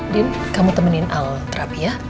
din kamu temenin al terapi ya